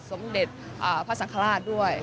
สมเด็จพระสังฆราชด้วย